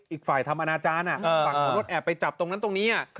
อีกฝ่ายทำอนาจารย์ฝั่งของรถแอบไปจับตรงนั้นตรงนี้